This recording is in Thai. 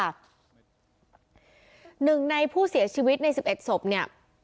หนึ่งในผู้เสียชีวิตใน๑๑ศพเนี่ย